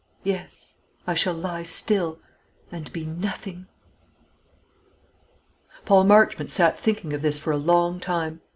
Yes; I shall lie still and be nothing." Paul Marchmont sat thinking of this for a long time.